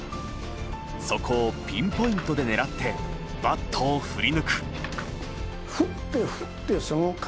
そこをピンポイントで狙ってバットを振り抜く。